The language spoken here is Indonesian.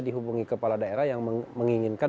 dihubungi kepala daerah yang menginginkan